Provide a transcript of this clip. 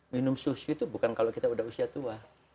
minum susu itu bukan kalau kita udah usia tua